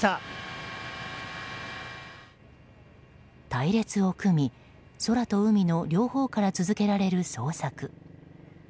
隊列を組み、空と海の両方から続けられる捜索。